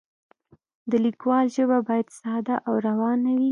د لیکوال ژبه باید ساده او روانه وي.